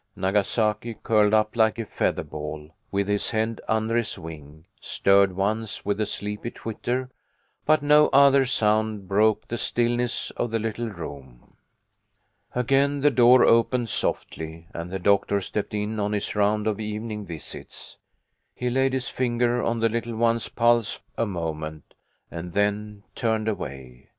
Nagasaki, curled up like a feather ball, with his head under his wing, stirred once, with a sleepy twitter, but no other sound broke the stillness of the little room. Again the door opened softly, and the doctor stepped in on his round of evening visits. He laid his finger on the little one's pulse a moment, and then turned away.